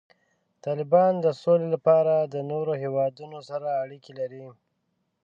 طالبان د سولې لپاره د نورو هیوادونو سره اړیکې لري.